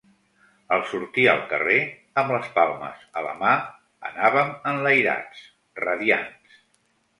Al sortir al carrer amb les palmes a la mà, anàvem enlairats, radiants.